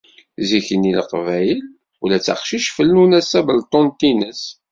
Zik-nni, leqbayel, ula d aqcic fellun-as tabelṭuḍt-ines